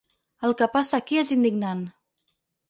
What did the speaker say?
El que passa aquí és indignant.